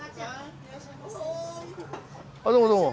あどうもどうも。